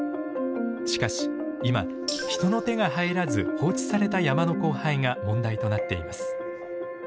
しかし今人の手が入らず放置された山の荒廃が問題となっています。